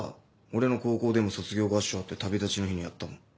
俺の高校でも卒業合唱あって『旅立ちの日に』やったもん。